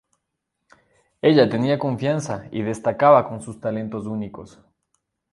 Ella tenía confianza y destacaba con sus talentos únicos.